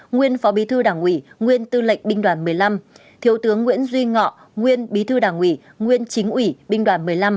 nguyên phó bí thư đảng ủy nguyên tư lệnh binh đoàn một mươi năm thiếu tướng nguyễn duy ngọ nguyên bí thư đảng ủy nguyên chính ủy binh đoàn một mươi năm